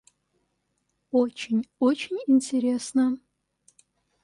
Очень, очень интересно!